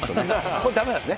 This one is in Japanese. これだめなんですね。